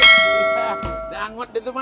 udah ngot di tu ma